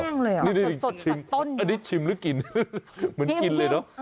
ชิมแบบเป็นแป้งแป้งเลยเหรอสดตัดต้นนี่ชิมแล้วกินเหมือนกินเลยเนอะ